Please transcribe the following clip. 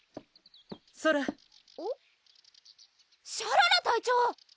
・ソラ・シャララ隊長！